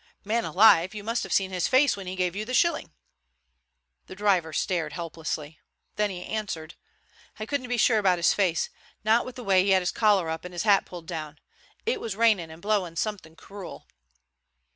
Man alive, you must have seen his face when he gave you the shilling." The driver stared helplessly. Then he answered: "I couldn't be sure about his face, not with the way he had his collar up and his hat pulled down. It was raining and blowing something crool."